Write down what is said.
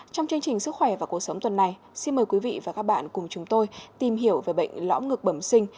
trong chương trình sức khỏe và cuộc sống tuần này xin mời quý vị và các bạn cùng chúng tôi tìm hiểu về bệnh lõm ngực bẩm sinh